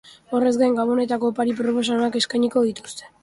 Horrez gain, gabonetako opari proposamenak eskainiko dituzte.